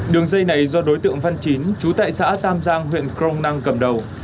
đường dây này do đối tượng văn chín chú tại xã tam giang huyện crong năng cầm đầu